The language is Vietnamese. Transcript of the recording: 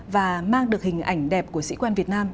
và mang được hình ảnh đẹp của sĩ quan việt nam